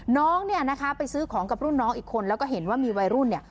น้องเนี่ยนะคะไปซื้อของกับรุ่นน้องอีกคนแล้วก็เห็นว่ามีวัยรุ่นเนี่ย